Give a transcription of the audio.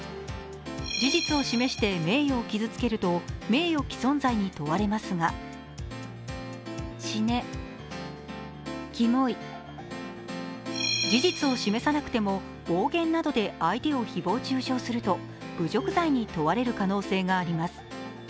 事実を示して名誉を傷つけると名誉毀損罪に問われますが事実を示さなくても暴言などで相手を誹謗中傷すると侮辱罪に問われる可能性があります。